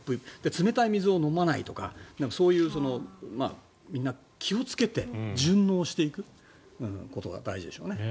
冷たい水を飲まないとかそう気をつけて順応していくことが大事でしょうね。